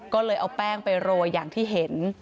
ก็เลยเอาแป้งไปโรยอย่างที่เห็น